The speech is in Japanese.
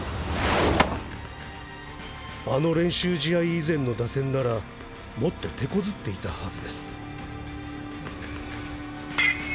あの練習試合以前の打線ならもっと手こずっていたはずです。